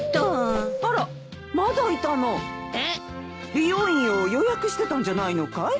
美容院を予約してたんじゃないのかい？